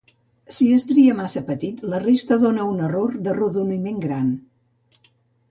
Si es tria massa petit, la resta dóna un error d'arrodoniment gran.